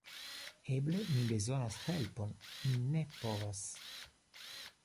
Eble mi bezonas helpon... mi ne povas...